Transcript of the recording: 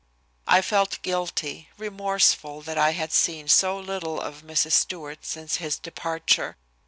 I felt guilty, remorseful, that I had seen so little of Mrs. Stewart since his departure.